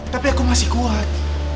tapi aku masih kuat